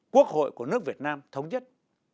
quốc hội của nước việt nam thống nhất